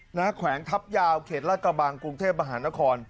หน้าแขวงทัพยาวเขตรรกบางกรุงเทพบท